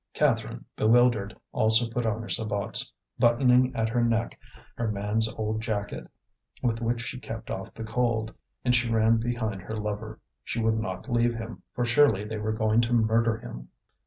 Catherine, bewildered, also put on her sabots, buttoning at her neck her man's old jacket, with which she kept off the cold; and she ran behind her lover, she would not leave him, for surely they were going to murder him.